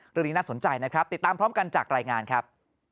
เรื่องนี้น่าสนใจนะครับติดตามพร้อมกันจากรายงานครับ